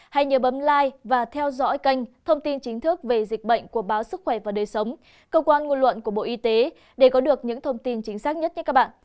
hay nhớ bấm lai và theo dõi kênh thông tin chính thức về dịch bệnh của báo sức khỏe và đời sống cơ quan ngôn luận của bộ y tế để có được những thông tin chính xác nhất cho các bạn